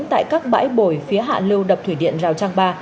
tại các bãi bồi phía hạ lưu đập thủy điện rào trang ba